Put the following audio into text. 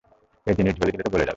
এই জিনিস ঝোলে দিলে তো গলে যাবে।